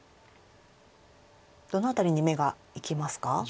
どの辺りに目がいきますか？